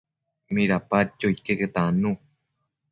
Midapadquio iqueque tannu